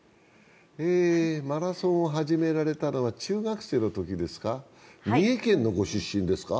マラソンを始められたのは中学生のときですか、三重県のご出身ですか。